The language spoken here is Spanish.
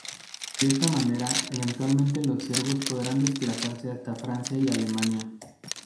De esta manera eventualmente los ciervos podrán desplazarse hasta Francia y Alemania.